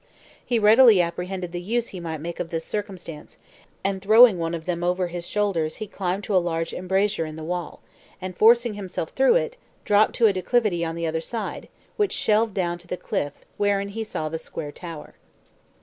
He readily apprehended the use he might make of this circumstance, and throwing one of them over his shoulders climbed to a large embrasure in the wall, and, forcing himself through it, dropped to a declivity on the other side, which shelved down to the cliff, wherein he saw the square tower.